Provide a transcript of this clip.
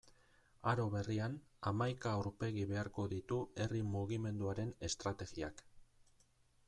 Aro berrian, hamaika aurpegi beharko ditu herri mugimenduaren estrategiak.